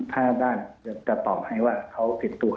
ถ้าด้านจะตอบให้ว่าเขาติดตัว